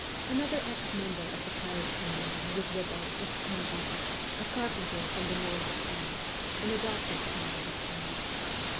Another ex member of the Paris Commune who was with us was Pindy, a carpenter from the north of France, an adopted child of Paris.